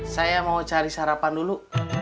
saya mau cari sarapan dulu